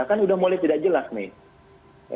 kan udah mulai tidak jelas nih